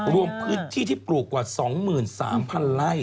รวมพื้นที่ที่ปลูกกว่า๒๓๐๐๐ไร่